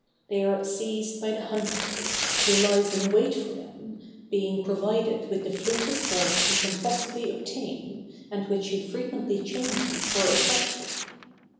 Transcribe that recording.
They are seized by the hunter, who lies in wait for them, being provided with the fleetest horse he can possibly obtain, and which he frequently changes for a fresh one.